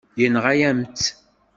Yenɣa-yam-tt.